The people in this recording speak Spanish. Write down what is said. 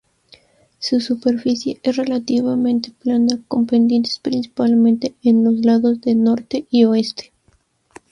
Su superficie es relativamente plana con pendientes principalmente en los lados norte y oeste.